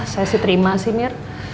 saya sih terima sih mir